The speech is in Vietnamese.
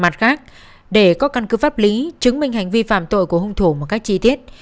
mặt khác để có căn cứ pháp lý chứng minh hành vi phạm tội của hung thủ một cách chi tiết